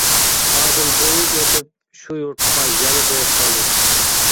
ئارىدىن بىر يىل ئۆتۈپ شۇ يۇرتقا يەنە بېرىپ قالدىم.